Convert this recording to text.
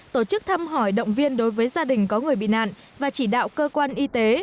tổ chức thăm hỏi động viên đối với gia đình có người bị nạn và chỉ đạo cơ quan y tế